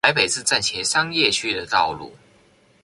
台北市站前商業區的道路